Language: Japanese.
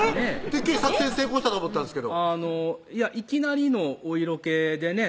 てっきり作戦成功したと思ったんですけどいきなりのお色気でね